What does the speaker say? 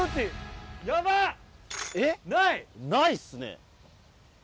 ないですね。